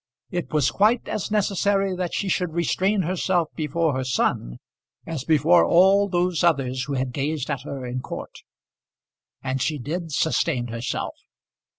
It was quite as necessary that she should restrain herself before her son as before all those others who had gazed at her in court. And she did sustain herself.